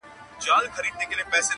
د سوال یاري ده اوس به دړي وړي سینه!!